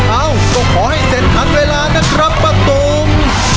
เอ้าก็ขอให้เสร็จทันเวลานะครับป้าตุ๋ม